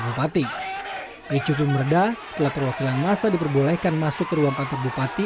bupati kecil meredah telah perwakilan masa diperbolehkan masuk ke ruang kantor bupati